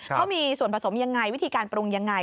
เขามีส่วนผสมยังไงวิธีการปรุงยังไง